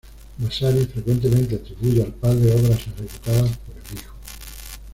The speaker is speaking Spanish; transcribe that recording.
Vasari frecuentemente atribuye al padre obras ejecutadas por el hijo.